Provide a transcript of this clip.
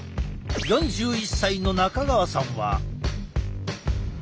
４１歳の中川さんは。